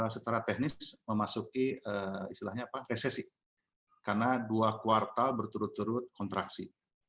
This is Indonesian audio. secara teknis memasuki resesi karena dua kuartal berturut turut kontraksi